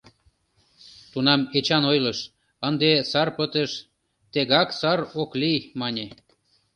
Тунам Эчан ойлыш: «Ынде сар пытыш, тегак сар ок лий», — мане.